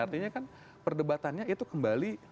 artinya kan perdebatannya itu kembali